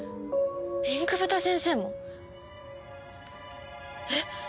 ピンクブタ先生も？えっ！？